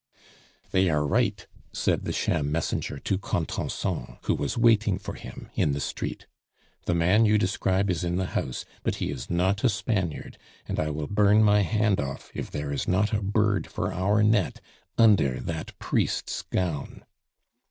"They are right," said the sham messenger to Contenson, who was waiting for him in the street. "The man you describe is in the house; but he is not a Spaniard, and I will burn my hand off if there is not a bird for our net under that priest's gown."